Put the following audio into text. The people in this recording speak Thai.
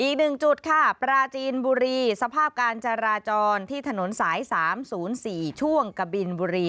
อีกหนึ่งจุดค่ะปราจีนบุรีสภาพการจราจรที่ถนนสาย๓๐๔ช่วงกะบินบุรี